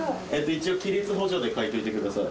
一応起立補助で書いといてください。